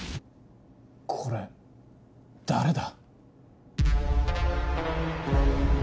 これ誰だ？